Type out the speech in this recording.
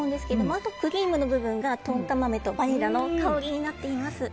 あとクリームの部分がトンカ豆とバニラの香りになっています。